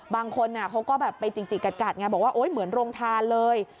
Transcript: บางคนเขาก็แบบไปจิกกัดไงบอกว่าเหมือนโรงทานเลย